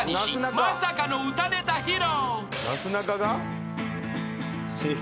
まさかの歌ネタ披露］